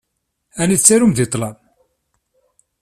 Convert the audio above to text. Ɛni tettarum deg ṭṭlam?